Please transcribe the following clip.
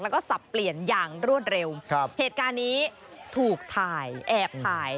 แล้วก็สับเปลี่ยนอย่างรวดเร็วครับเหตุการณ์นี้ถูกถ่ายแอบถ่าย